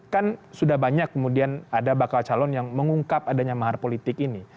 kan sudah banyak kemudian ada bakal calon yang mengungkap adanya mahar politik ini